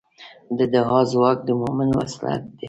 د دعا ځواک د مؤمن وسلې ده.